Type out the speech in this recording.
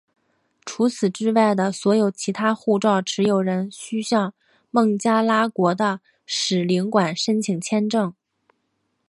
除此之外的所有其他护照持有人均须向孟加拉国的使领馆申请签证。